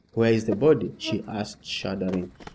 Where is the body?" she asked, shuddering.